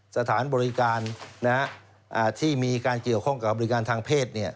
สถานบริการที่มีการเกี่ยวข้องกับบริการทางเพศ